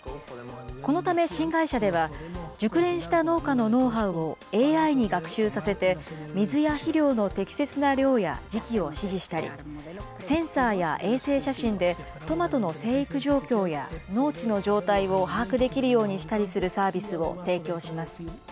このため新会社では、熟練した農家のノウハウをＡＩに学習させて、水や肥料の適切な量や時期を指示したり、センサーや衛星写真で、トマトの生育状況や農地の状態を把握できるようにしたりするサービスを提供します。